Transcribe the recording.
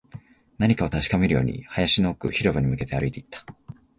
何かを確かめるように、林の奥、広場に向けて歩いていった